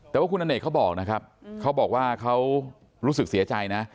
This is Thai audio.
แต่ว่าคุณอเนกเขาบอกนะครับเขาบอกว่าเขารู้สึกเสียใจนะ